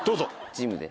ジムで。